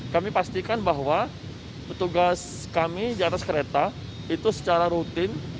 kami pastikan bahwa petugas kami di atas kereta itu secara rutin